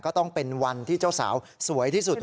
ก็ต้องเป็นวันที่เจ้าสาวสวยที่สุด